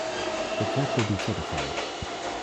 The check will be certified.